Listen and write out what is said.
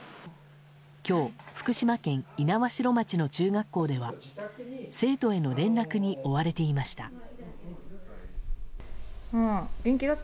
今日福島県猪苗代町の中学校では生徒への連絡に追われていました。